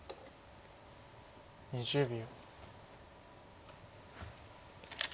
２０秒。